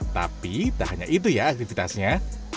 tapi tak hanya itu ya aktivitasnya